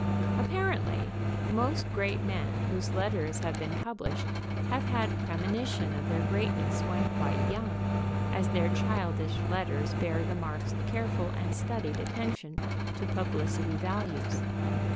Apparently, most great men whose letters have been published have had premonition of their greatness when quite young, as their childish letters bear the marks of careful and studied attention to publicity values.